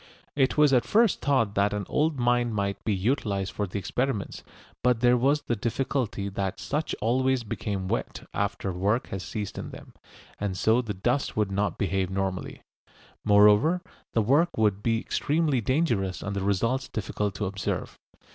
It was at first thought that an old mine might be utilised for the experiments, but there was the difficulty that such always become wet after work has ceased in them, and so the dust would not behave normally. Moreover, the work would be extremely dangerous and the results difficult to observe.